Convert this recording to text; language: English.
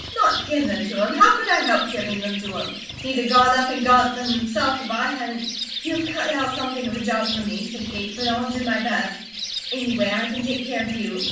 NOT GIVE THEM TO HIM! How could I help giving them to him? He'd a got up and got them himself if I hadn't " "You have cut out something of a job for me," said Kate, "but I'll do my best. Anyway, I can take care of you.